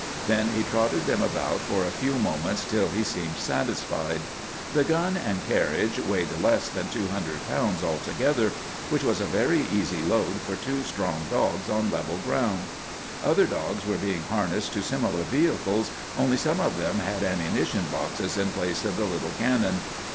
Then he trotted them about for a few moments till he seemed satisfied. The gun and carriage weighed less than 200 pounds altogether, which was a very easy load for two strong dogs on level ground. Other dogs were being harnessed to similar vehicles, only some of them had ammunition boxes in place of the little cannon.